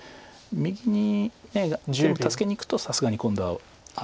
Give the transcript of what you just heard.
右に全部助けにいくとさすがに今度は。